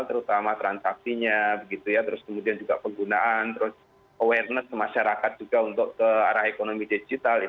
terutama transaksinya kemudian juga penggunaan awareness masyarakat juga untuk ke arah ekonomi digital